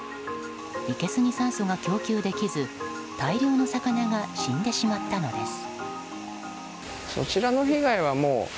いけすに酸素が供給できず大量の魚が死んでしまったのです。